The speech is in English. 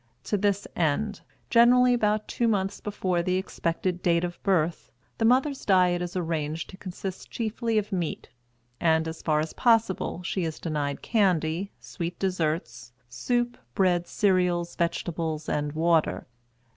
To this end, generally about two months before the expected date of birth, the mother's diet is arranged to consist chiefly of meat; and as far as possible she is denied candy, sweet desserts, soup, bread, cereals, vegetables, and water.